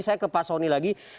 saya ke pak soni lagi